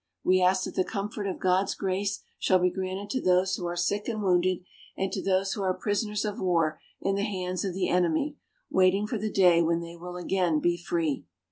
We ask that the comfort of God's grace shall be granted to those who are sick and wounded, and to those who are prisoners of war in the hands of the enemy, waiting for the day when they will again be free.